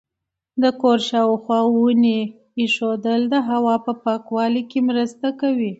د کور شاوخوا ونې کښېنول د هوا په پاکوالي کې مرسته کوي.